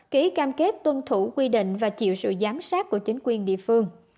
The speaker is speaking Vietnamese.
ký cam kết tuân thủ quy định và chịu sự giám sát của chính quyền địa phương